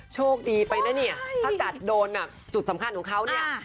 โชคดีไปนะเนี่ยถ้าจัดโดนจุดสำคัญของเขาเนี่ย